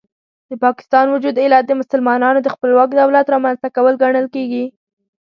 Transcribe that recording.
د پاکستان وجود علت د مسلمانانو د خپلواک دولت رامنځته کول ګڼل کېږي.